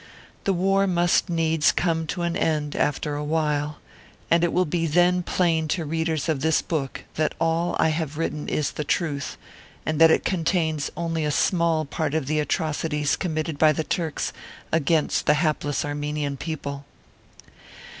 The war must needs come to an end after a while, and it will then be plain to readers of this book that all I have written is the truth, and that it contains only a small part of the atrocities com mitted by the Turks against the hapless Armenian people.